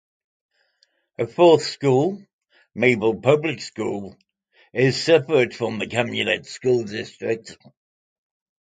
A fourth school, Maple Public School, is separate from the Calumet school district.